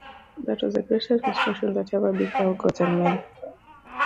That was the greatest misfortune that ever befell gods and men.